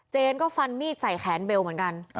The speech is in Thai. ก็ฟันมีดใส่แขนเบลเหมือนกัน